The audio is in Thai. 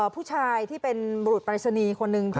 ผู้ชายที่เป็นบรูธปรัศนีคนนึงใช่